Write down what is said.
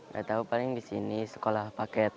nggak tahu paling di sini sekolah paket